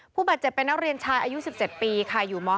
ผู้บาดเจ็บเป็นนักเรียนชายอายุ๑๗ปีค่ะอยู่ม๔